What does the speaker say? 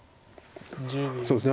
そうですね